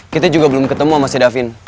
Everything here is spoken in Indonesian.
kita juga belum ketemu sama si davin